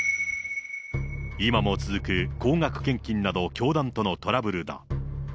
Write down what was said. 今も続く、高額献金など、教団とのトラブルだ。